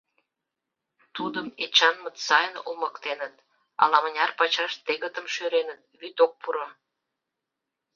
Тудым Эчанмыт сайын олмыктеныт, ала-мыняр пачаш тегытым шӱреныт, вӱд ок пуро.